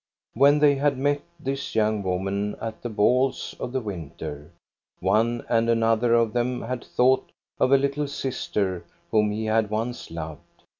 When they had met this young woman at the balls of the winter, one and another of them had thought of a little sister whom he had once loved.